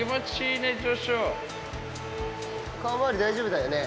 顔回り、大丈夫だよね？